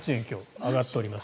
上がっております。